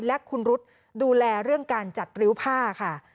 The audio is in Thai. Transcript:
และคุณรุ๊ดดูแลเรื่องการจัดริ้วผ้าค่ะ